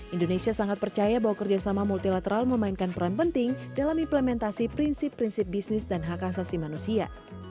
indonesia sangat percaya bahwa kerjasama multilateral memainkan peran penting dalam implementasi prinsip prinsip bisnis dan hak asasi manusia